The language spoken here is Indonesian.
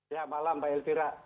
ya malam pak elvira